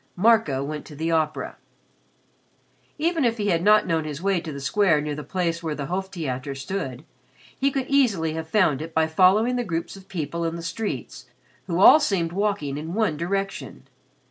Marco went to the opera. Even if he had not known his way to the square near the place where the Hof Theater stood, he could easily have found it by following the groups of people in the streets who all seemed walking in one direction.